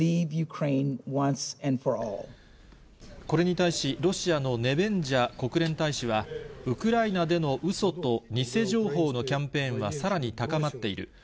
これに対し、ロシアのネベンジャ国連大使は、ウクライナでのうそと偽情報のキャンペーンはさらに高まっている。